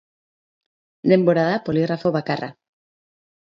Denbora da poligrafo bakarra.